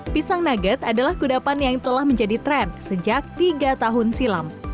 pisang nugget adalah kudapan yang telah menjadi tren sejak tiga tahun silam